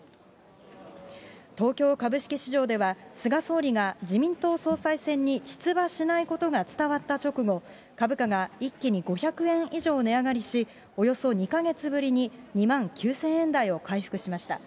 東京株式市場では、菅総理が自民党総裁選に出馬しないことが伝わった直後、株価が一気に５００円以上値上がりし、およそ２か月ぶりに２万９０００円台を回復しました。